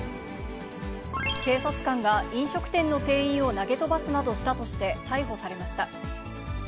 警察官が飲食店の店員を投げ飛ばすなどしたとして、逮捕されました。